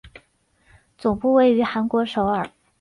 总部位于韩国首尔。